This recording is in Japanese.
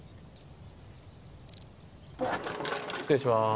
失礼します。